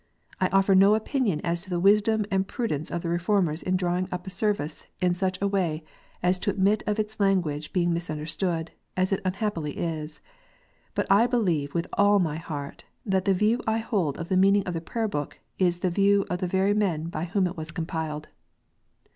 I offer no opinion as to the wisdom and prudence of the Reformers in drawing up a Service in such a way as to admit of its language being misunderstood, as it unhappily is. But I believe with all my heart that the view I hold of the meaning of the Prayer book is the view of the very men by whom it was compiled.